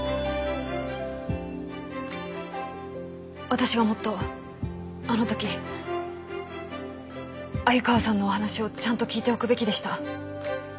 私がもっとあのとき鮎川さんのお話をちゃんと聞いておくべきでした。